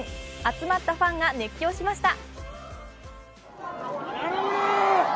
集まったファンが熱狂しました。